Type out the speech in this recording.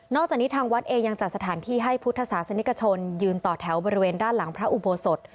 จากนี้ทางวัดเองยังจัดสถานที่ให้พุทธศาสนิกชนยืนต่อแถวบริเวณด้านหลังพระอุโบสถ